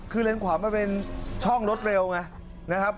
คือเลนขวามันเป็นช่องรถเร็วไงนะครับ